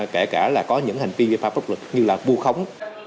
kể cả có những hành vi dư phạm pháp luật như bu khống